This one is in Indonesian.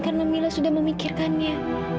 karena mila sudah memikirkannya